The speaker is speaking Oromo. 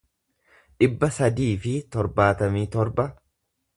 dhibba sadii fi torbaatamii torba